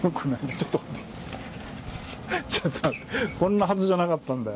ちょっと待ってこんなはずじゃないんだよ。